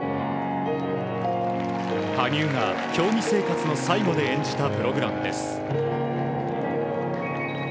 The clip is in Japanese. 羽生が競技生活の最後で演じたプログラムです。